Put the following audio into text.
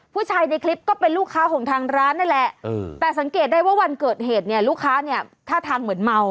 ผู้ชายในคลิปก็เป็นลูกค้าของทางร้านนั่นแหละแต่สังเกตได้ว่าวันเกิดเหตุเนี่ยลูกค้าเนี่ยท่าทางเหมือนเมา